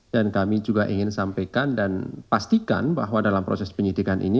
dan kami juga ingin sampaikan dan pastikan bahwa dalam proses penyitikan ini